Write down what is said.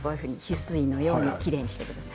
しすいのようにきれいにしてください。